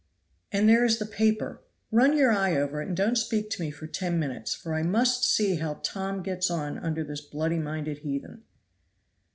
"And there is the paper. Run your eye over it and don't speak to me for ten minutes, for I must see how Tom gets on under this bloody minded heathen."